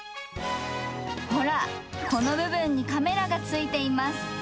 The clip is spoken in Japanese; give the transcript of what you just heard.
ほら、この部分にカメラがついています。